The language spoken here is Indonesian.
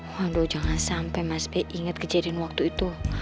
waduh jangan sampai mas be inget kejadian waktu itu